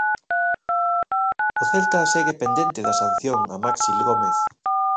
O Celta segue pendente da sanción a Maxi Gómez.